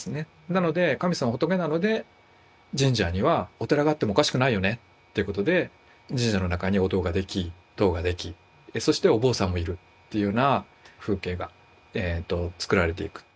なので神様も仏なので神社にはお寺があってもおかしくないよねってことで神社の中にお堂ができ塔ができそしてお坊さんもいるっていうような風景が作られていく。